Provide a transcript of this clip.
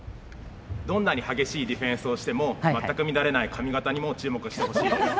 どんなに激しいディフェンスをしても全く乱れない髪形にも注目してほしいです。